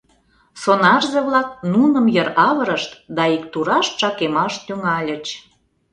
Сонарзе-влак нуным йыр авырышт да ик тураш чакемаш тӱҥальыч.